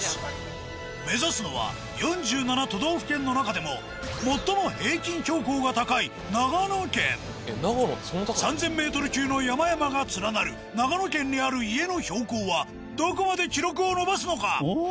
目指すのは４７都道府県の中でも最も平均標高が高い長野県３０００ｍ級の山々が連なる長野県にある家の標高はどこまで記録を伸ばすのか？